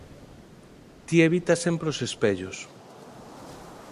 ti evitas sempre os espellos.